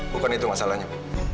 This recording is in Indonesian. bukan itu masalahnya